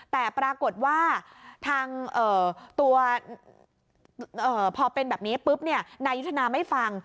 แต่ปรากฏว่าทางตัวพอเป็นแบบนี้ปุ๊บนายยุทธนาไม่ฟัง